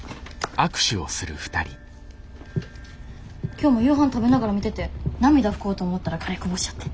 今日も夕飯食べながら見てて涙拭こうと思ったらカレーこぼしちゃって。